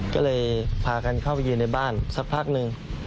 ก็เลยพากันเข้าไปยืนในบ้านสักพักหนึ่ง